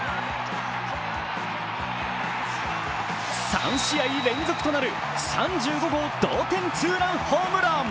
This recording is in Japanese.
３試合連続となる３５号同点ツーランホームラン。